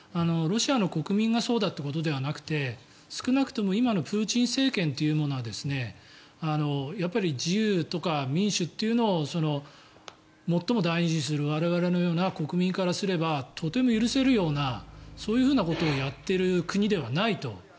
ロシアの国民がそうだっていうことではなくて少なくとも今のプーチン政権というのがやっぱり自由とか民主というのを最も大事にする我々のような国民からすればとても許せるようなそういうことをやっている国ではないと。